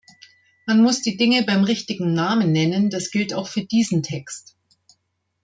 Man muss die Dinge beim richtigen Namen nennen, das gilt auch für diesen Text.